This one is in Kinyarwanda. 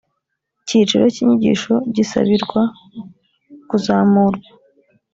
cyiciro cy inyigisho gisabirwa kuzamurwa